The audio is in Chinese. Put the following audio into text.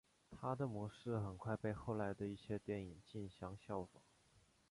它的模式很快被后来的一些电影争相效仿。